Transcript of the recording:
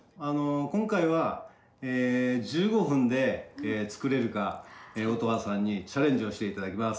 今回は１５分で作れるか乙葉さんにチャレンジをして頂きます！